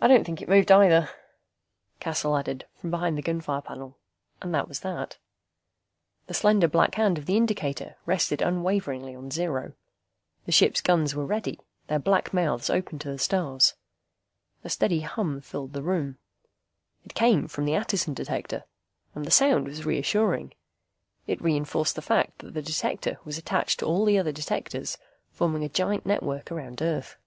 "I don't think it moved either," Cassel added, from behind the gunfire panel. And that was that. The slender black hand of the indicator rested unwaveringly on zero. The ship's guns were ready, their black mouths open to the stars. A steady hum filled the room. It came from the Attison Detector, and the sound was reassuring. It reinforced the fact that the Detector was attached to all the other Detectors, forming a gigantic network around Earth.